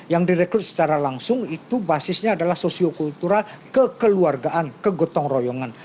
yang direkrut secara langsung itu basisnya adalah sosiokultural kekeluargaan kegotong royongan